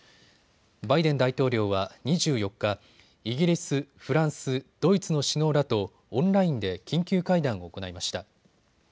バイデン大統領は２４日、イギリス、フランス、ドイツの首脳らとオンラインで緊急会談を行いました。